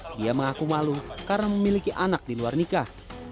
dia mengaku malu karena memiliki anak di luar nikah